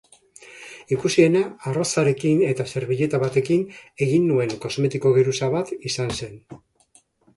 Ikusiena arrozarekin eta serbileta batekin egin nuen kosmetiko-geruza bat izan zen.